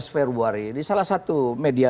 februari di salah satu media